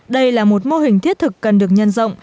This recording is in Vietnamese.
đây là một mô hình thiết thực cần được nhân rộng